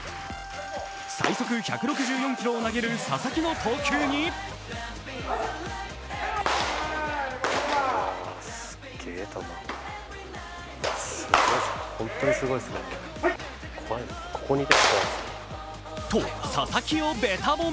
最速１６４キロを投げる佐々木の投球にと佐々木をべた褒め。